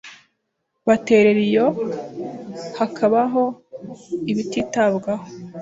baterera iyo hakabaho ibititabwaho